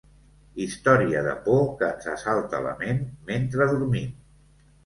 Història de por que ens assalta la ment mentre dormim.